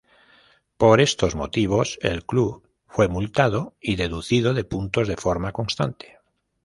Por estos motivos, el club fue multado y deducido de puntos de forma constante.